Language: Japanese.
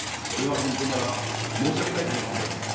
ならば申し上げたいことがございます。